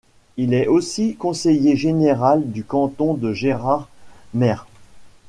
Il est aussi conseiller général du canton de Gérardmer.